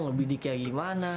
lebih dikeyak gimana